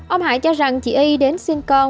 ông hải cho rằng chị y đến sinh con